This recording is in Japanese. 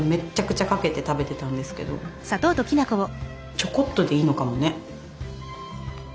ちょこっとでいいのかもね。